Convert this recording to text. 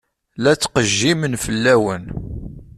La ttqejjimen fell-awen.